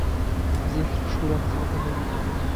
ځینې تر پښو لاندې ځمکه نه ویني.